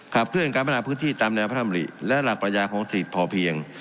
ขับเครื่องการประนาบพื้นที่ตามแนวพระธรรมดิและหลักประยาของศิษฐ์พอเพียง